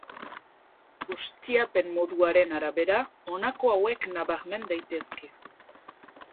Ustiapen moduaren arabera, honako hauek nabarmen daitezke.